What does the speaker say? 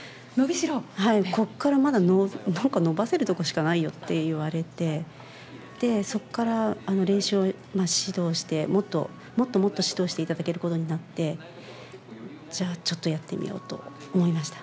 はい、ここからまだ伸ばせるとこしかないよって言われて、そこから練習を指導して、もっともっと指導していただけることになって、じゃあ、ちょっとやってみようと思いました。